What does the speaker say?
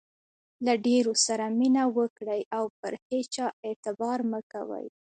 له ډېرو سره مینه وکړئ، او پر هيچا اعتبار مه کوئ!